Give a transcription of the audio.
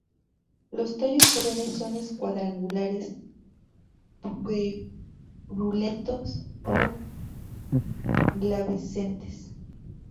Los tallos jóvenes son cuadrangulares, puberulentos a glabrescentes.